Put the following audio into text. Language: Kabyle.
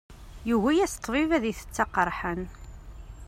Yugi-yas ṭṭbib ad itett aqerḥan.